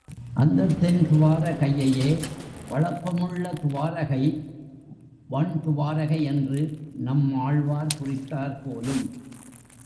அந்தத் தென் துவாரகையையே வளப்பமுள்ள துவாரகை வண் துவாரகை என்று நம்மாழ்வார் குறித்தார் போலும்.